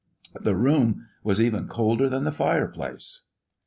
The room was even colder than the fireplace.